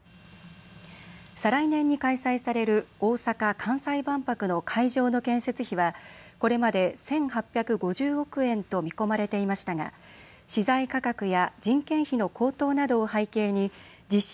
再来年に開催される大阪・関西万博の会場の建設費はこれまで１８５０億円と見込まれていましたが資材価格や人件費の高騰などを背景に実施